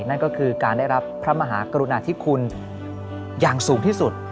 นั่นก็คือการได้รับพระมหากรุณาธิคุณอย่างสูงที่สุด